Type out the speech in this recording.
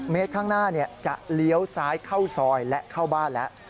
เมตรข้างหน้าจะเลี้ยวซ้ายเข้าซอยและเข้าบ้านแล้ว